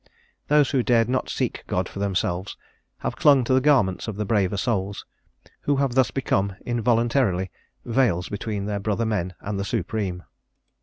Those who dared not seek God for themselves have clung to the garments of the braver souls, who have thus become, involuntarily, veils between their brother men and the Supreme.